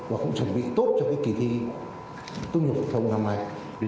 và cũng chuẩn bị tốt cho kỳ thi tốt nghiệp hội thông năm nay